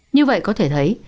như vậy có thể thấy